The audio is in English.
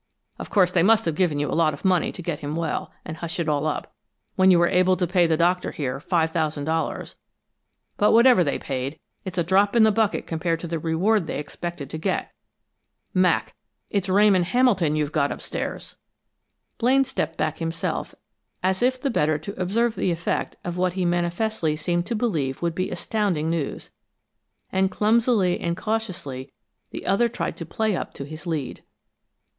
Of course they must have given you a lot of money to get him well, and hush it all up, when you were able to pay the Doctor, here, five thousand dollars, but whatever they paid, it's a drop in the bucket compared to the reward they expected to get. Mac, it's Ramon Hamilton you've got upstairs!" Blaine stepped back himself, as if the better to observe the effect of what he manifestly seemed to believe would be astounding news, and clumsily and cautiously the other tried to play up to his lead.